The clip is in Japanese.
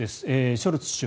ショルツ首相。